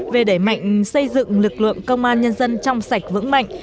về đẩy mạnh xây dựng lực lượng công an nhân dân trong sạch vững mạnh